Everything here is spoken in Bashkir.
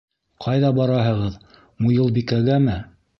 Ҡайҙа бараһығыҙ, Муйылбикәгәме?